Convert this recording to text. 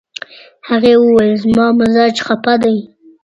هغې وویل، "زما مزاج خپه دی."